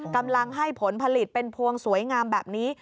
กำลังให้ผลผลิตเป็นพวงสวยงามแบบนี้